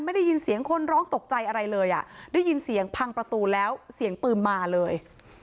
ได้ยินเสียงคนร้องตกใจอะไรเลยอ่ะได้ยินเสียงพังประตูแล้วเสียงปืนมาเลย